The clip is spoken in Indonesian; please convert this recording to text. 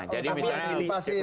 jadi misalnya wakil sama ketua